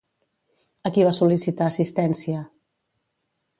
A qui va sol·licitar assistència?